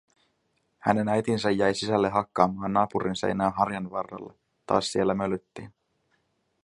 Hänen äitinsä jäi sisälle hakkaamaan naapurin seinää harjanvarrella, taas siellä mölyttiin.